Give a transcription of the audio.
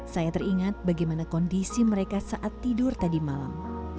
saya teringat bagaimana kondisi mereka saat tidur tadi malam